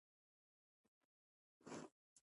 باید خپلوان د مطالعې په اهمیت پوه کړو.